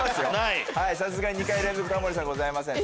さすがに２回連続タモリさんございません。